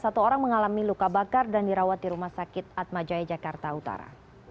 satu orang mengalami luka bakar dan dirawat di rumah sakit atmajaya jakarta utara